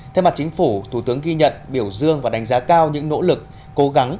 theo mặt chính phủ thủ tướng ghi nhận biểu dương và đánh giá cao những nỗ lực cố gắng